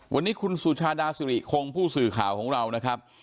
วันนี้คุณสุชาดาสิริคงผู้สื่อข่าวของเรานะครับ